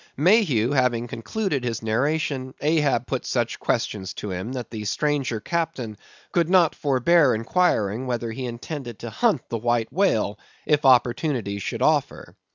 Mayhew having concluded his narration, Ahab put such questions to him, that the stranger captain could not forbear inquiring whether he intended to hunt the White Whale, if opportunity should offer.